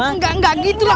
enggak enggak gitu lah